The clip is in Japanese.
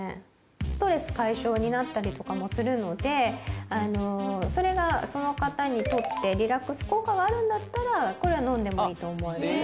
ストレス解消になったりとかもするのでそれがその方にとってリラックス効果があるんだったらこれは飲んでもいいと思います。